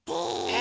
え